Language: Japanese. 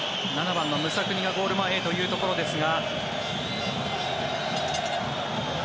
７番のムサクニがゴール前へというところですが。